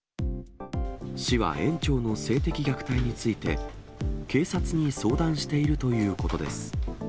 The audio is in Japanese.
市は園長の性的虐待について、警察に相談しているということです。